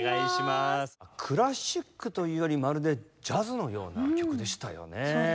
クラシックというよりまるでジャズのような曲でしたよね。